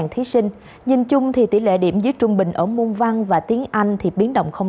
thí sinh nhìn chung thì tỷ lệ điểm dưới trung bình ở môn văn và tiếng anh thì biến động không